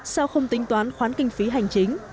sao không tính toán khoán kinh phí hành chính